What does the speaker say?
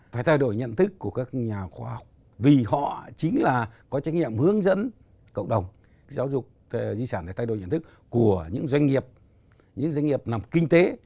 phải thay đổi nhận thức của các nhà khoa học vì họ chính là có trách nhiệm hướng dẫn cộng đồng giáo dục di sản để thay đổi nhận thức của những doanh nghiệp những doanh nghiệp nằm kinh tế